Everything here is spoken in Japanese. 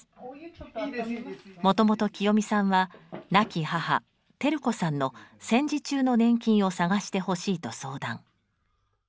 もともときよみさんは亡き母・昭子さんの戦時中の年金を探してほしいと相談。